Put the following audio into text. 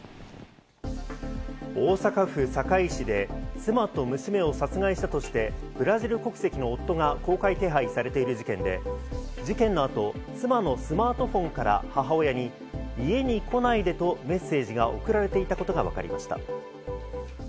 大阪府堺市で妻と娘を殺害したとして、ブラジル国籍の夫が公開手配されている事件で、事件の後、妻のスマートフォンから母親に、家に来ないでとメッセージが送られていたことがわかりました。